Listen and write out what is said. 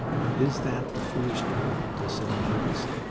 Is that the foolish dream of the sentimentalist?